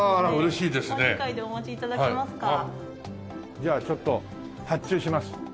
じゃあちょっと発注します。